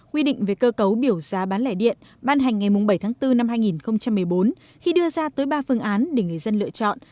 quy định về cơ cấu biểu giá bán lẻ điện ban hành ngày bảy tháng bốn năm hai nghìn một mươi bốn khi đưa ra tới ba phương án để người dân lựa chọn